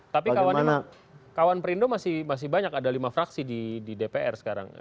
tapi kawan perindo masih banyak ada lima fraksi di dpr sekarang